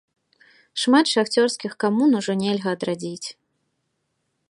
Шмат шахцёрскіх камун ужо нельга адрадзіць.